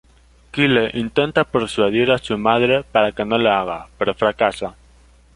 Kyle intenta persuadir a su madre para que no lo haga, pero fracasa.